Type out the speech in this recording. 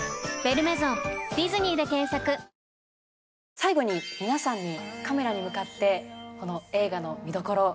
最後に皆さんにカメラに向かってこの映画の見どころを。